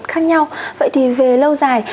khác nhau vậy thì về lâu dài